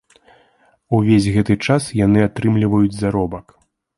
Увесь гэты час яны атрымліваюць заробак.